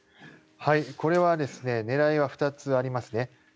これは狙いは２つありますね。